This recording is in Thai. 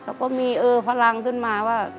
แล้วก็มีพลังขึ้นมาว่า